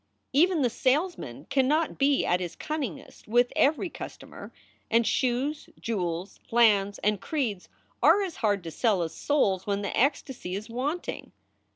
Even the salesman cannot be at his cunningest with every customer; and shoes, jewels, lands, and creeds are as hard to sell as souls when the ecstasy is wanting.